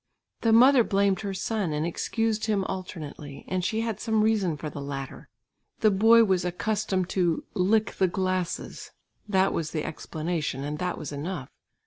The mother blamed her son and excused him alternately and she had some reason for the latter. The boy was accustomed to "lick the glasses," that was the explanation and that was enough.